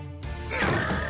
うん！